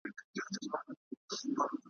اوس دي په غزل کي شرنګ د هري مسرۍ څه وايي ,